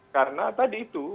karena tadi itu